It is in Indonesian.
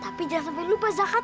tapi jangan sampai lupa zakat